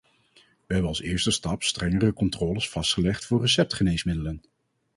We hebben als eerste stap strengere controles vastgelegd voor receptgeneesmiddelen.